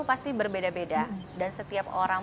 pasti berbeda beda dan setiap orang